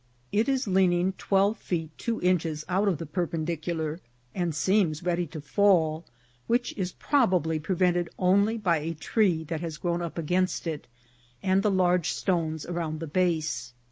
It is leaning twelve feet two inch es out of the perpendicular, and seems ready to fall, which is probably prevented only by a tree that has grown up against it and the large stones around the base.